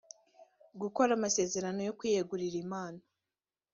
gukora amasezerano yo kwiyegurira imana